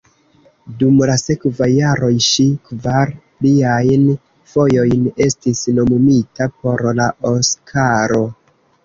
Dum la sekvaj jaroj ŝi kvar pliajn fojojn estis nomumita por la Oskaro.